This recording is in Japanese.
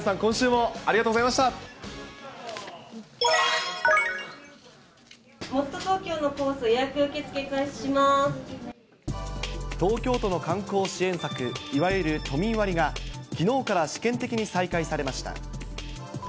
もっとＴｏｋｙｏのコース、東京都の観光支援策、いわゆる都民割が、きのうから試験的に再開されました。